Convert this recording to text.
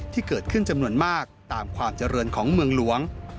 ที่เกิดขึ้นจำนวนมากตามความเจริญของเมืองหลวง